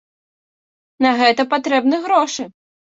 На гэта патрэбны грошы.